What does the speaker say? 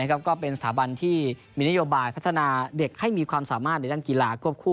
ก็เป็นสถาบันที่มีนโยบายพัฒนาเด็กให้มีความสามารถในด้านกีฬาควบคู่